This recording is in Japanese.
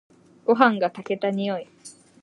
ごはんが炊けた匂い。